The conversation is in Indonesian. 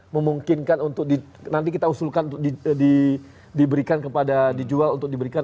memungkinkan untuk nanti kita usulkan untuk diberikan kepada dijual untuk diberikan